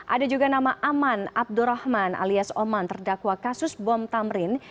ada juga nama aman abdurrahman alias oman terdakwa kasus bom tamrin